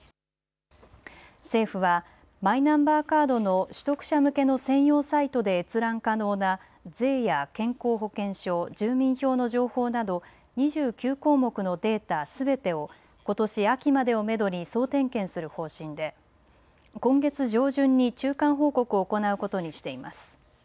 政府はマイナンバーカードの取得者向けの専用サイトで閲覧可能な税や健康保険証、住民票の情報など２９項目のデータすべてをことし秋までをめどに総点検する方針で今月上旬に中間報告を行うことにしています。